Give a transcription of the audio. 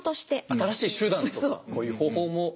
新しい手段とかこういう方法もあるよ。